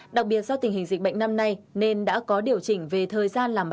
đặc biệt do tình hình dịch bệnh năm nay nên đã có điều chỉnh về thời gian làm bệnh